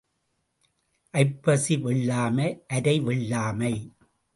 ஐப்பசி வெள்ளாமை அரை வெள்ளாமை.